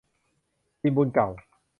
กินบุญเก่า